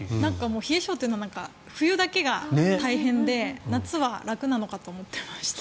冷え性って冬だけが大変で夏は楽なのかと思ってました。